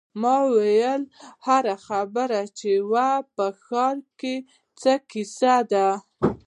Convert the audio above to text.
ما وویل: هر خبر چې وي، په ښار کې څه کیسې دي.